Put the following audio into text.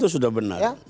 dan sudah benar